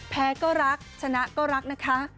ก็รักชนะก็รักนะคะ